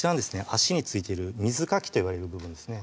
足に付いてる水かきと呼ばれる部分ですね